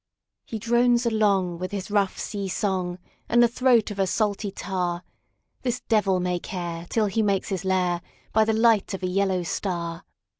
He drones along with his rough sea songAnd the throat of a salty tar, This devil may care, till he makes his lairBy the light of a yellow star.